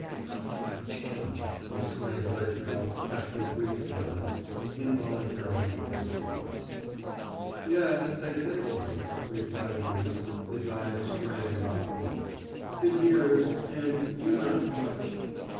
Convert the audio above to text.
'How you have changed!' exclaimed Lezhnyov after a brief silence, involuntarily dropping his voice. 'Yes, they say so!' replied Rudin, his eyes straying about the room. 'The years... and you not much.